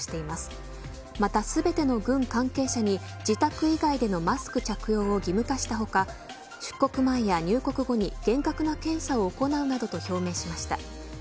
また、全ての軍関係者に自宅以外でのマスク着用を義務化した他出国前や入国後に、厳格な検査を行うなどと表明しました。